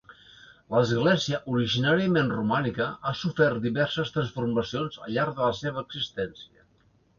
L'església, originàriament romànica, ha sofert diverses transformacions al llarg de la seva existència.